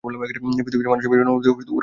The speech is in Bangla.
পৃথিবীতে মানুষের বিনা অনুমতিতে উড়া নিষেধ।